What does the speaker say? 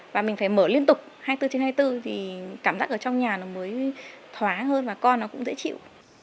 và mình phải mở liên tục hai mươi bốn trên hai mươi bốn vì cảm giác ở trong nhà nó mới thoáng hơn và con nó cũng dễ chịu